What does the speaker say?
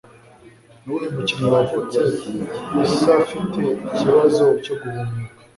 Nuwuhe mukinnyi wavutse Issafite ikibazo cyo guhumeka